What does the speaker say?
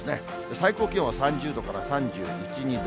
最高気温は３０度から３１、２度。